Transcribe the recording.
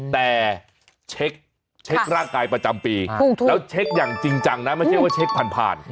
แต่เช็คร่างกายประจำปีแล้วเช็คอย่างจริงจังนะไม่ใช่ว่าเช็คผ่าน